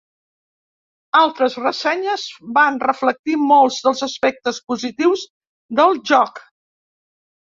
Altres ressenyes van reflectir molts dels aspectes positius del joc.